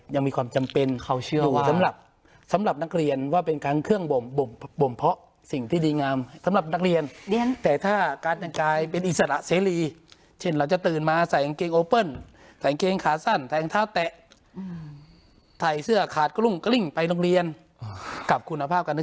ยังมีความจำเป็นเขาเชื่ออยู่สำหรับสำหรับนักเรียนว่าเป็นครั้งเครื่องบ่มเพาะสิ่งที่ดีงามสำหรับนักเรียนแต่ถ้าการแต่งกายเป็นอิสระเสรีเช่นเราจะตื่นมาใส่กางเกงโอเปิ้ลใส่เกงขาสั้นแต่งเท้าแตะใส่เสื้อขาดกลุ้งกลิ้งไปโรงเรียนกับคุณภาพการน